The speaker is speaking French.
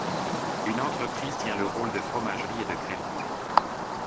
Une entreprise tient le rôle de fromagerie et de crémerie.